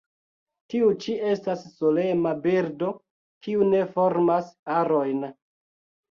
Tiu ĉi estas solema birdo kiu ne formas arojn.